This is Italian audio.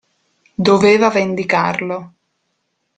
Doveva vendicarlo.